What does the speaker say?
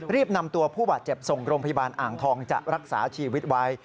รีบนำตัวผู้บาดเจ็บส่งโรงพยาบาลอ่างทองจะรักษาชีวิตไว้